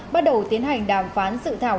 bắt đầu tiến hành đàm phán sự thảo